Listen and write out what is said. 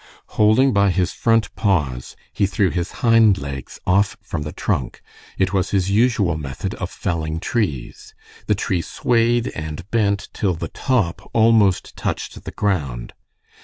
Holding by his front paws, he threw his hind legs off from the trunk. It was his usual method of felling trees. The tree swayed and bent till the top almost touched the ground.